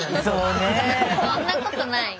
そんなことないよ。